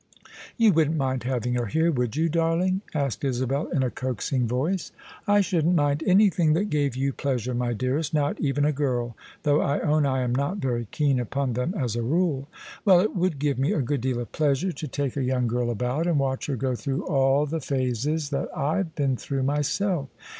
" You wouldn't mind having her here, would you, dar ling? " asked Isabel in a coaxing voice. " I shouldn't mind anything that gave you pleasure, my dearest — not even a girl, though I own I am not very keen upon them as a rule." " Well, it would give me a good deal of pleasure to take a young girl about, and watch her go through all the phases OF ISABEL CARNABY that I've been through myself.